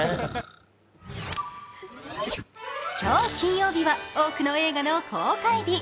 今日金曜日は多くの映画の公開日。